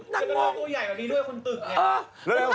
ตัวใหญ่กว่าดีด้วยคนตึกเนี่ย